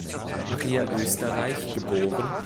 Maria Oesterreich geb.